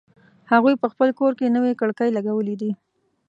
هغوی په خپل کور کی نوې کړکۍ لګولې دي